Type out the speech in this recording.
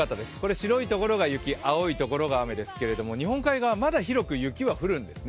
白いところが雪、青いところが雨ですけれども、日本海側、まだ広く雪は降るんですね。